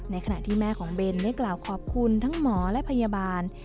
ขณะที่แม่ของเบนได้กล่าวขอบคุณทั้งหมอและพยาบาล